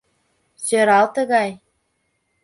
Сӧрал тыгай.